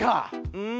うん。